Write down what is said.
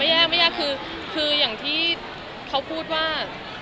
ไม่ยากค่ะไม่ยากไม่ยากคืออย่างที่เขาพูดว่า